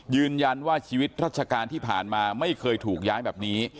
ชีวิตราชการที่ผ่านมาไม่เคยถูกย้ายแบบนี้